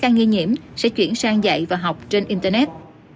các nghi nhiễm sẽ chuyển sang dạy và học trên internet